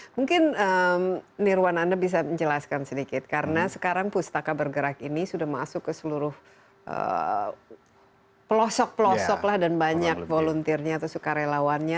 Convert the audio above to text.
mungkin nirwan anda bisa menjelaskan sedikit karena sekarang pustaka bergerak ini sudah masuk ke seluruh pelosok pelosok dan banyak volunteernya atau sukarelawannya